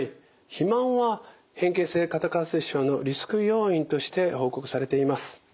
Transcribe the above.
肥満は変形性肩関節症のリスク要因として報告されています。